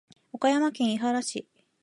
岡山県井原市